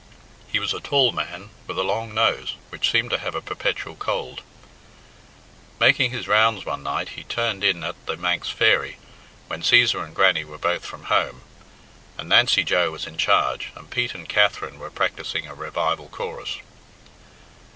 He was a tall man with a long nose, which seemed to have a perpetual cold. Making his rounds one night, he turned in at "The Manx Fairy," when Cæsar and Grannie were both from home, and Nancy Joe was in charge, and Pete and Katherine were practising a revival chorus.